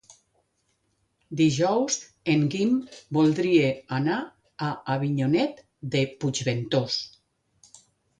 Dijous en Guim voldria anar a Avinyonet de Puigventós.